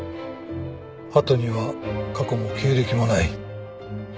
ハトには過去も経歴もない。